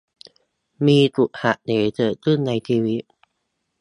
มีจุดหักเหเกิดขึ้นในชีวิต